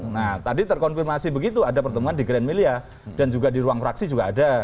nah tadi terkonfirmasi begitu ada pertemuan di grand melia dan juga di ruang fraksi juga ada